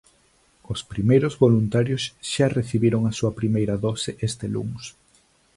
Os primeiros voluntarios xa recibiron a súa primeira dose este luns.